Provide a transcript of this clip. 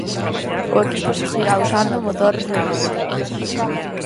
O equipo seguirá usando motores Renault.